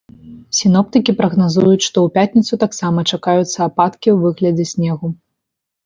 Сіноптыкі прагназуюць, што ў пятніцу таксама чакаюцца ападкі ў выглядзе снегу.